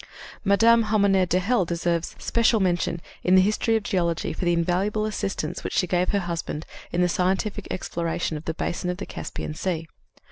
Mme. Hommaire de Hell deserves special mention in the history of geology for the invaluable assistance which she gave her husband in the scientific exploration of the basin of the Caspian Sea.